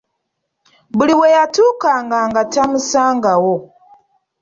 Buli we yatuukanga nga tamusaga wo..